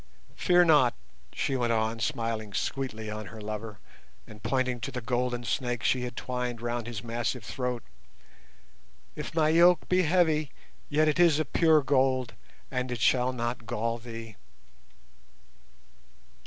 Fear not," she went on, smiling sweetly on her lover, and pointing to the golden snake she had twined round his massive throat, "if my yoke be heavy, yet is it of pure gold, and it shall not gall thee."